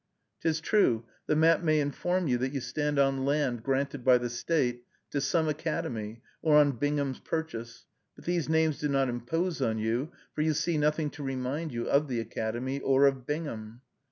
'Tis true, the map may inform you that you stand on land granted by the State to some academy, or on Bingham's purchase; but these names do not impose on you, for you see nothing to remind you of the academy or of Bingham.